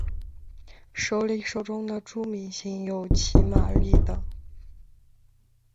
首里手中的著名型有骑马立等。